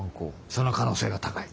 その可能性が高い。